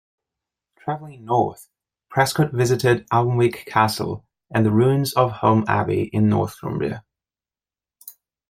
Traveling north, Prescott visited Alnwick Castle and the ruins of Hulm Abbey in Northumbria.